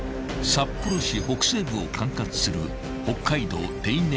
［札幌市北西部を管轄する］